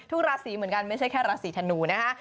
ราศีเหมือนกันไม่ใช่แค่ราศีธนูนะคะ